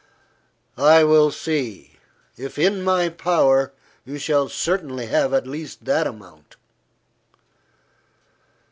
"I will see. If in my power, you shall certainly have at least that amount."